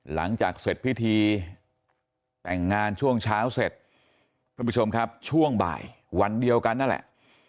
หลังจากเสร็จพิธีแต่งงานช่วงเช้าเสร็จท่านผู้ชมครับช่วงบ่ายวันเดียวกันนั่นแหละ